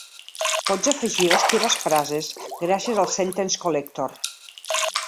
Pots afegir les teves frases gràcies al "sentence collector".